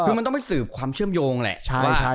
คือมันต้องไปสืบความเชื่อมโยงแหละ